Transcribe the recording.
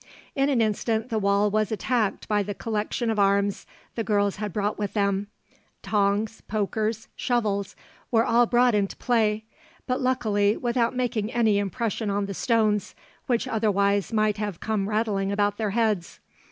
In an instant the wall was attacked by the collection of arms the girls had brought with them. Tongs, pokers, shovels were all brought into play, but luckily without making any impression on the stones, which otherwise might have come rattling about their heads.